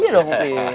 iya dong peh